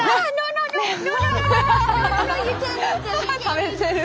食べてる！